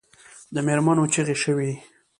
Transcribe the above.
د مېرمنو چیغې شوې.